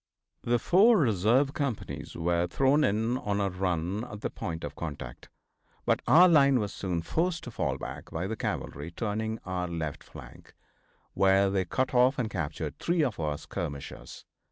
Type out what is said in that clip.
The four reserve companies were thrown in on a run at the point of contact, but our line was soon forced to fall back by the cavalry turning our left flank, where they cut off and captured three of our skirmishers.